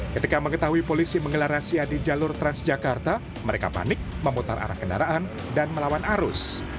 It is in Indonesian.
ketika mengetahui polisi mengelar razia di jalur transjakarta mereka panik memutar arah kendaraan dan melawan arus